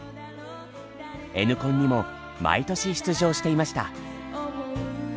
Ｎコンにも毎年出場していました。